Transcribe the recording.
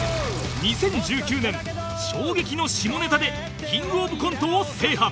２０１９年衝撃の下ネタでキングオブコントを制覇